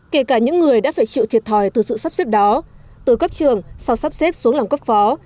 kể cả những người đã phải chịu thiệt thòi từ sự sắp xếp đó